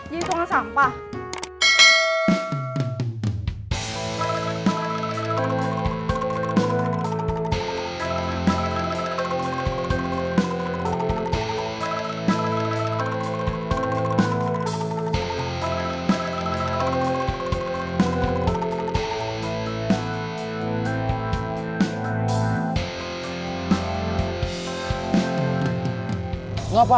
jadi tuangan sampah